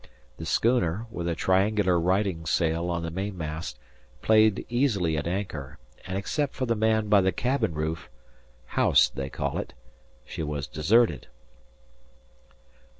The schooner, with a triangular riding sail on the mainmast, played easily at anchor, and except for the man by the cabin roof "house" they call it she was deserted.